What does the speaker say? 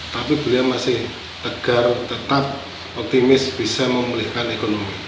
tapi beliau masih tegar tetap optimis bisa memulihkan ekonomi